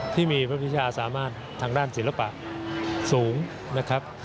ที่มีพระพิชาสามารถทางด้านศิลปะสูงนะครับ